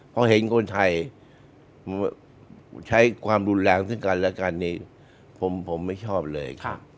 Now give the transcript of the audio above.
พอเห็นคนไทยใช้ความรุนแรงซึ่งกันและกันนี่ผมไม่ชอบเลย